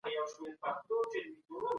ښه پلان بريا ته رسوي.